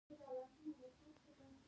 دغه لګښتونه له خوراک او څښاک څخه عبارت دي